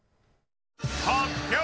発表！